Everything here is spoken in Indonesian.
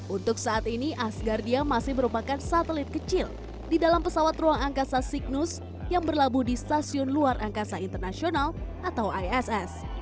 untuk saat ini asgardia masih merupakan satelit kecil di dalam pesawat ruang angkasa signus yang berlabuh di stasiun luar angkasa internasional atau iss